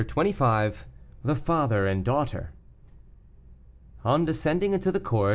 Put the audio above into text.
CHAPTER XXV. THE FATHER AND DAUGHTER. On descending into the court, M.